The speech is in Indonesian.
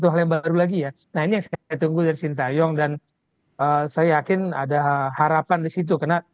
hal yang baru lagi ya nah ini yang saya tunggu dari sintayong dan saya yakin ada harapan di situ